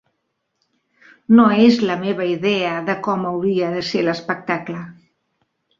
No és la meva idea de com hauria de ser l'espectacle.